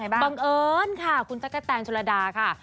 บังเอิญค่ะคุณตั๊กกะแตนชนระดาค่ะ